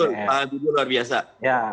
wah luar biasa